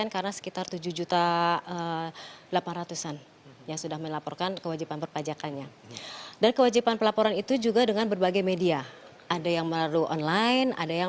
karena sekitar tujuh delapan ratus yang sudah melaporkan kewajiban perpajakannya